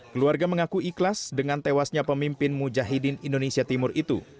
keluarga mengaku ikhlas dengan tewasnya pemimpin mujahidin indonesia timur itu